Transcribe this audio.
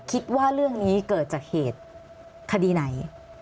คิดว่าเรื่องนี้เกิดจากเหตุคดีไหน